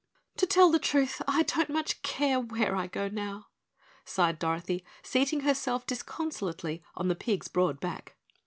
"To tell the truth, I don't much care where I go now," sighed Dorothy, seating herself disconsolately on the pig's broad back.